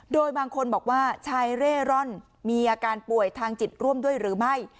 โดยบางคนบอกว่าชายเร่ร่อนมีอาการป่วยทางจิตร่วมด้วยหรือไม่